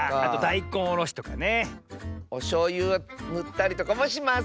おしょうゆぬったりとかもします。